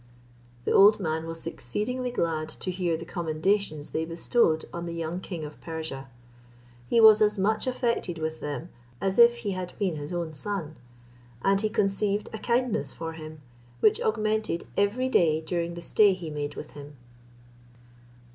The old man was exceedingly glad to hear the commendations they bestowed on the young king of Persia. He was as much affected with them as if he had been his own son, and he conceived a kindness for him, which augmented every day during the stay he made with him.